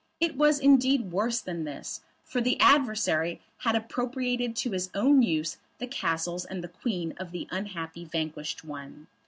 It was, indeed, worse than this, for the adversary had appropriated to his own use the castles and the queen of the unhappy vanquished one.